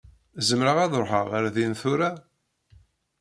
Zemreɣ ad ṛuḥeɣ ɣer din tura?